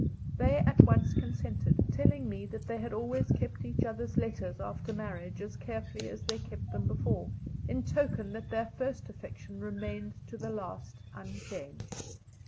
They at once consented; telling me that they had always kept each other's letters after marriage, as carefully as they kept them before, in token that their first affection remained to the last unchanged.